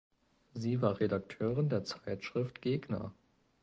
Sie war Redakteurin der Zeitschrift "Gegner".